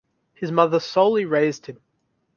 His mother solely raised him.